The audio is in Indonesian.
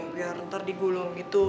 biar ntar digulung gitu